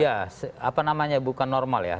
ya apa namanya bukan normal ya